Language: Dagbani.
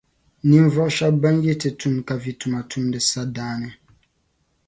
Ni ninvuɣu shεba ban yi ti tum kavi tuma timdi sadaani.